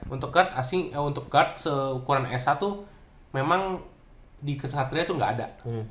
untuk guard asing untuk guard seukuran sa tuh memang di kesatria tuh gak ada